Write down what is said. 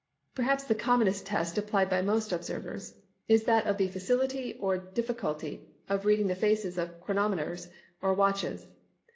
Perhaps the commonest test applied by most observers is that of the facility or difficulty of reading the faces of chronometers or watches.